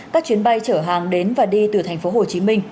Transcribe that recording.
các chuyến bay chở hàng đến và đi từ thành phố hồ chí minh